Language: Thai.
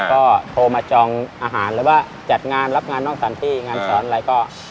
ก็โทรมาจองอาหารหรือว่าจัดงานรับงานนอกสถานที่งานสอนอะไรก็